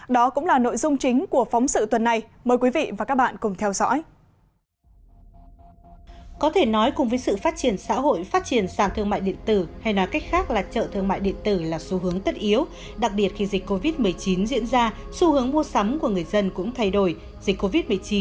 đó cũng là nội dung chính của phóng sự tuần này mời quý vị và các bạn cùng theo dõi